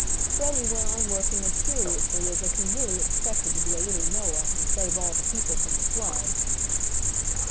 Freddie went on working as seriously as if he really expected to be a little Noah and save all the people from the flood.